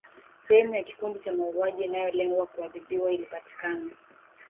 sehemu ya kikundi cha mauaji inayolengwa kuadhibiwa ilipatikana